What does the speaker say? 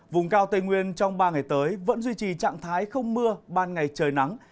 vùng cao tây nguyên trong ba ngày tới vẫn duy trì trạng thái không mưa ban ngày trời nắng